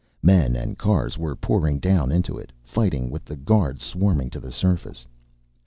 Men and cars were pouring down into it, fighting with the guards swarming to the surface.